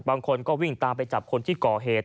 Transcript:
บางคนก็วิ่งตามไปจับคนที่ก่อเหตุ